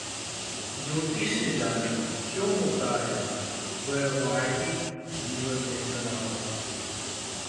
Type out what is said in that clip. ज्योतिष से जानें, क्यों होता है वैवाहिक जीवन में तनाव?